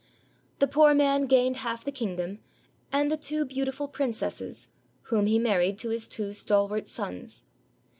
The poor man gained half the kingdom and the two beautiful princesses, whom he married to his two stal wart sons.